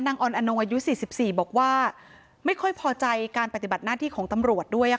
ออนอนงอายุ๔๔บอกว่าไม่ค่อยพอใจการปฏิบัติหน้าที่ของตำรวจด้วย